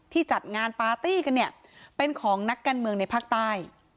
จัดงานปาร์ตี้กันเนี่ยเป็นของนักการเมืองในภาคใต้